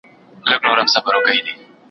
سردارانو يو د بل وهل سرونه